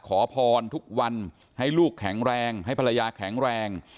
ขอพรทุกวันให้ลูกแข็งแรงให้ภรรยาแข็งแรง